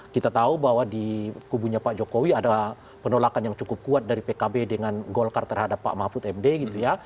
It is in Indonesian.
kita tahu bahwa di kubunya pak jokowi ada penolakan yang cukup kuat dari pkb dengan golkar terhadap pak mahfud md gitu ya